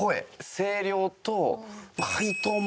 声量と。